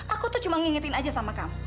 aku tuh cuma ngingetin aja sama kamu